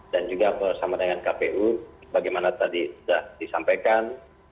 dan juga bersama dengan kpu bagaimana tadi sudah disampaikan